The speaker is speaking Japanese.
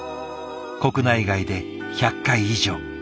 国内外で１００回以上。